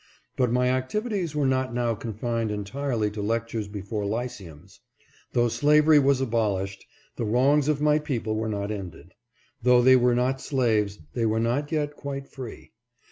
But my activities were not now confined entirely to lectures before lyceums. Though slavery was abolished, the wrongs of my people were not ended. Though they were not slaves, they were not yet quite free.